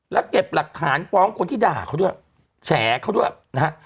แล้วเก็บหลักฐานฟ้องคนที่ด่าเขาด้วยแฉเขาด้วยนะฮะ